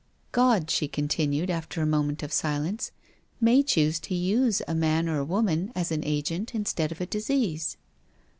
*' God," she continued, after a moment of si lence, " may choose to use a man or woman as an agent instead of a disease."